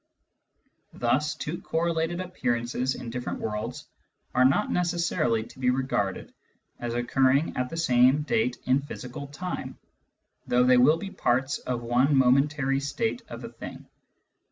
Thus two cor related appearances in different worlds are not necessarily to be regarded as occurring at the same date in physical time, though they will be parts of one momentary state of a thing.